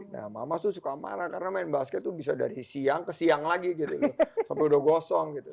nah mama tuh suka marah karena main basket tuh bisa dari siang ke siang lagi gitu sampai udah gosong gitu